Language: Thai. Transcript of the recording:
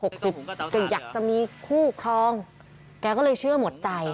ก็อยากจะมีคู่ครองแกก็เลยเชื่อหมดใจ